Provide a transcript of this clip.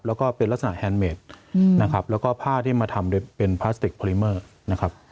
แล้วก็เป็นลักษณะแฮนดเมดนะครับแล้วก็ผ้าที่มาทำโดยเป็นพลาสติกพอลิเมอร์นะครับ